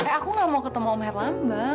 eh aku nggak mau ketemu omer lambang